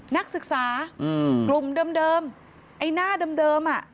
นักศึกษาอืมกลุ่มเดิมเดิมไอ้หน้าเดิมเดิมอ่ะ